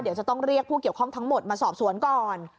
เดี๋ยวจะต้องเรียกผู้เกี่ยวข้องทั้งหมดมาสอบสวนก่อน